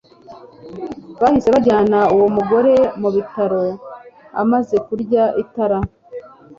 bahise bajyana uwo mugore mu bitaro amaze kurya itara